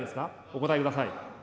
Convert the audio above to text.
お答えください。